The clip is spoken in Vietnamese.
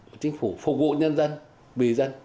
một chính phủ phục vụ nhân dân bì dân